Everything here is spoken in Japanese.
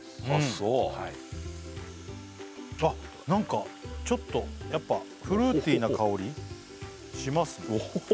そうあっ何かちょっとやっぱフルーティーな香りします